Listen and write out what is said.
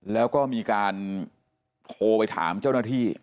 แล้วก็มีการโทรไปถามเจ้าหน้าที่